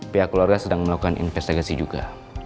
pihak keluarga sedang melakukan investigasi juga